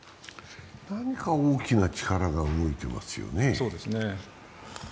何か大きな力が動いていますよね。